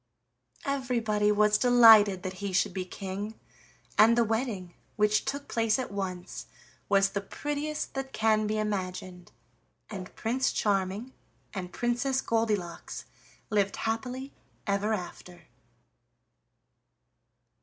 Everybody was delighted that he should be king, and the wedding, which took place at once, was the prettiest that can be imagined, and Prince Charming and Princess Goldilocks lived happily ever after.